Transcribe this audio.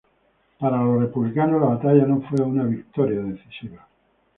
Para los republicanos la batalla no fue una victoria decisiva.